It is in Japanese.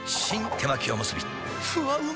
手巻おむすびふわうま